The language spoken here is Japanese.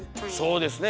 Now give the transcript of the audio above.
そうですね